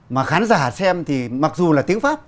mà khán giả xem thì mặc dù là tiếng pháp